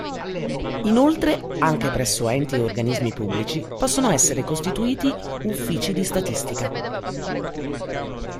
Inoltre, anche presso enti e organismi pubblici possono essere costituiti Uffici di statistica.